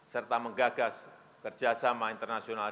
serta menggagas kerjasama internasional